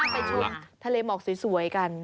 ไปชมทะเลหมอกสวยกัน